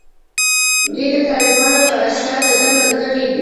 دوی د طالبانو په اصطلاح دده ملګري دي.